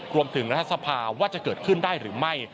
รวมถึงรัฐสภาวะจะเกิดขึ้นได้หรือไม่